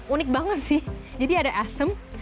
unik banget sih jadi ada asem